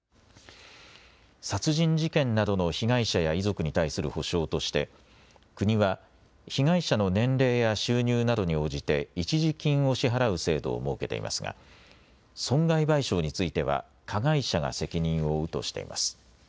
殺人事件などの被害者や遺族に対する補償として国は被害者の年齢や収入などに応じて一時金を支払う制度を設けていますが損害賠償については加害者が責任を負うとしています。